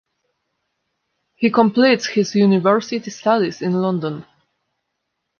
He completes his University studies in London.